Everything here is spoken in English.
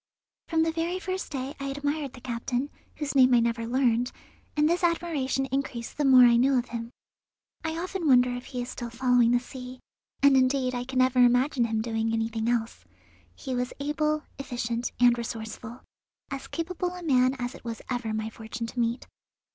From the very first day I admired the captain, whose name I never learned, and this admiration increased the more I knew of him. I often wonder if he is still following the sea, and indeed I can never imagine him doing anything else. He was able, efficient, and resourceful; as capable a man as it was ever my fortune to meet.